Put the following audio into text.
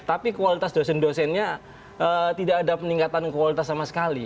tapi kualitas dosen dosennya tidak ada peningkatan kualitas sama sekali